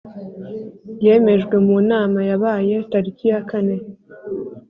yemejwe mu nama yabaye tariki ya kane